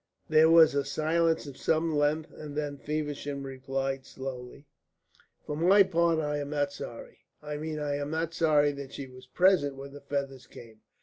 There was a silence of some length, and then Feversham replied slowly: "For my part I am not sorry. I mean I am not sorry that she was present when the feathers came.